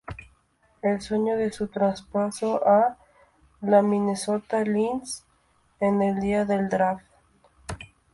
El sueño de su traspasado a las Minnesota Lynx en el día del draft.